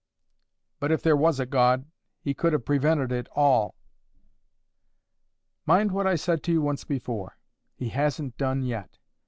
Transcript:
"But if there was a God, he could have prevented it all." "Mind what I said to you once before: He hasn't done yet.